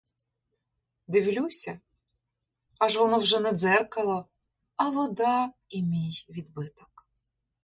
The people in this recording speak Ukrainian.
Дивлюся — аж воно вже не дзеркало, а вода і мій відбиток.